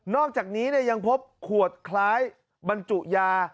อกจากนี้ยังพบขวดคล้ายบรรจุยา